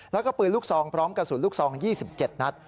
แล้วก็ปืนลูกซองพร้อมกระสุนลูกซอง๒๗นัด